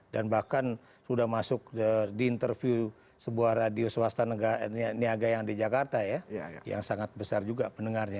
dan bahkan sudah masuk di interview sebuah radio swasta niaga yang di jakarta ya yang sangat besar juga pendengarnya